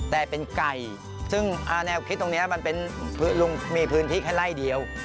แต่เป็นไก่ซึ่งแนวคิดตรงนี้มันเป็นลุงมีพื้นที่แค่ไล่เดียว